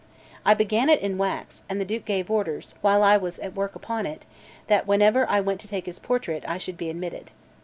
I began it in wax; and the Duke gave orders, while I was at work upon it, that whenever I went to take his portrait, I should be admitted.